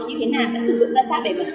như thế nào sẽ sử dụng ra sao để sử dụng kênh